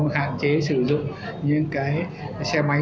hạn chế sử dụng xe máy